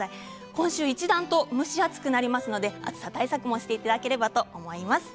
今週一段と蒸し暑くなりますので暑さ対策もしていただければと思います。